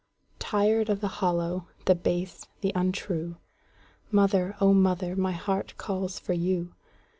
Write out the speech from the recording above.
Tired of the hollow, the base, the untrue, Mother, O mother, my heart calls for you!